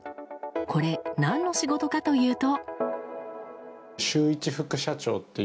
これ、何の仕事かというと。